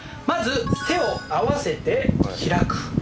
まず手を合わせて開く。